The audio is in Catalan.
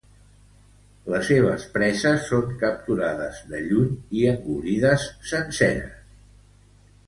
Les seves preses són capturades de lluny i engolides senceres.